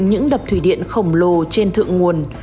những đập thủy điện khổng lồ trên thượng nguồn